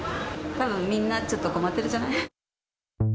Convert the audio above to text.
たぶんみんなちょっと困ってるんじゃない？